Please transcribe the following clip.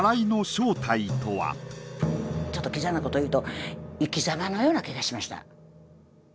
ちょっとキザなこと言うと生きざまのような気がしました。